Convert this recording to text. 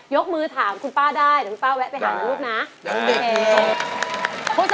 กมือถามคุณป้าได้เดี๋ยวคุณป้าแวะไปหาลูกนะโอเค